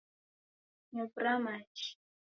Nyavura machi